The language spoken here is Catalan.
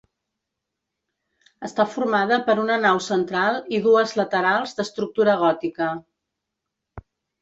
Està formada per una nau central i dues laterals d'estructura gòtica.